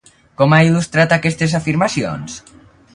Com ha il·lustrat aquestes afirmacions?